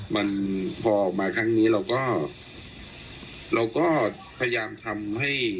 มันพอออกมาครั้งนี้เราก็เราก็พยายามทำให้